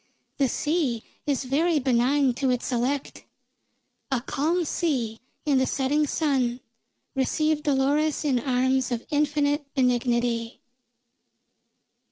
The sea is very benign to its elect; a calm sea in the setting sun received Dolores in arms of infinite benignity.